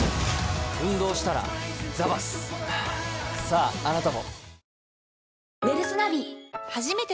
ああなたも。